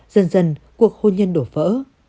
dần dần cuộc hôn nhân đổ vỡ